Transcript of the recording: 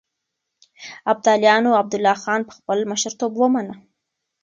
ابداليانو عبدالله خان په خپل مشرتوب ومنه.